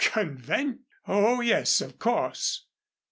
"Convent ! Oh, yes, of course."